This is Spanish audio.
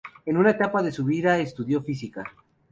En una etapa de su vida, estudió Física.